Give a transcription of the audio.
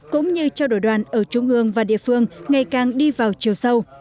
cũng như trao đổi đoàn ở trung ương và địa phương ngày càng đi vào chiều sâu